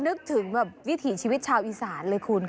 เมื่อนึกถึงวิถีชีวิตชาวอีสานเลยคุณค่ะ